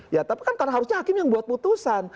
ya tapi kan karena harusnya hakim yang buat putusan